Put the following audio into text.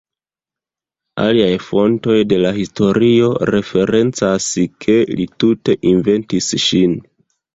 Aliaj fontoj de la historio referencas ke li tute inventis ŝin.